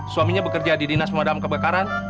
suaminya bekerja di dinas pemadam kebakaran